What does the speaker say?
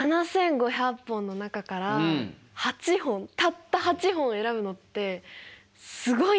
７，５００本の中から８本たった８本を選ぶのってすごいなと思って。